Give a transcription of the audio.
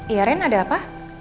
iya ren ada apa